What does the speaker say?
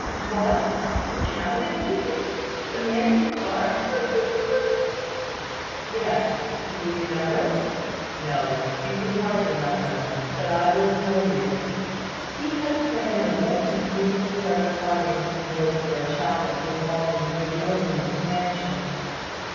"What, the cabinet maker? The man who carved so beautifully?" "Yes. Do you remember No, you could hardly have known: but I will tell you. He had planned a most beautiful set of carvings in wood for a chapel belonging to a nobleman's mansion.